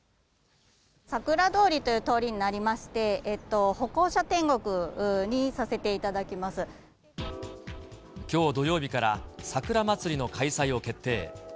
桜通りという通りになりまして、歩行者天国にさせていただききょう土曜日から、さくら祭りの開催を決定。